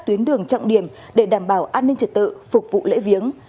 tuyến đường trọng điểm để đảm bảo an ninh trật tự phục vụ lễ viếng